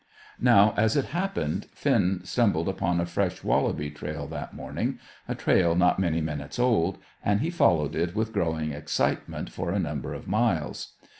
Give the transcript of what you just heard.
Now as it happened, Finn stumbled upon a fresh wallaby trail that morning, a trail not many minutes old; and he followed it with growing excitement for a number of miles.